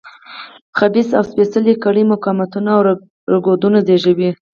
خبیثه او سپېڅلې کړۍ مقاومتونه او رکودونه زېږوي.